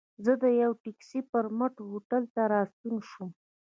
زه د یوه ټکسي پر مټ هوټل ته راستون شوم.